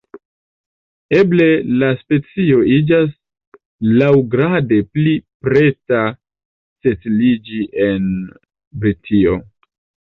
Eble la specio iĝas laŭgrade pli preta setliĝi en Britio.